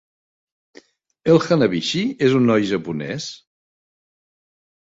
El Hanabishi és un noi japonès?